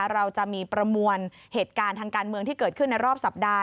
เราจะมีประมวลเหตุการณ์ทางการเมืองที่เกิดขึ้นในรอบสัปดาห